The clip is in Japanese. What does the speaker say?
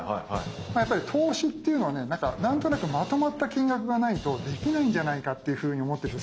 やっぱり投資っていうのはね何となくまとまった金額がないとできないんじゃないかっていうふうに思ってる人